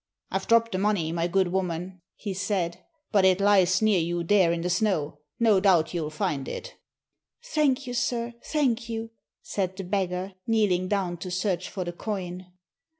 "I've dropped the money, my good woman," he said, "but it lies near you there in the snow. No doubt you'll find it." "Thank you, sir, thank you," said the beggar, kneeling down to search for the coin.